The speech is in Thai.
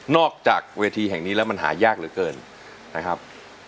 จากเวทีแห่งนี้แล้วมันหายากเหลือเกินนะครับ